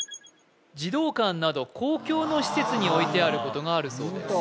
児童館など公共の施設に置いてあることがあるそうです